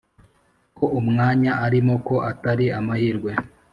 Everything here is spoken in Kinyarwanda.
Ko umwanya arimo ko atari amahirwe